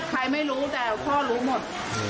ใครไม่รู้แต่พ่อรู้หมด